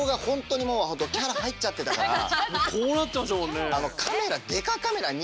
こうなってましたもんね。